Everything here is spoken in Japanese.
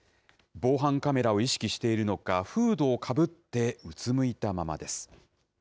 防犯カメラを意識しているのか、フードをかぶって、うつむいたままです。